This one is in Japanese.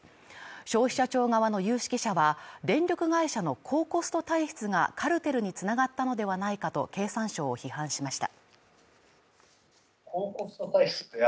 消費者庁側の有識者は電力会社の高コスト体質がカルテルに繋がったのではないかと経産省を批判しました